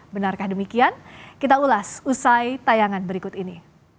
benarkah demikian kita ulas usai tayangan berikut ini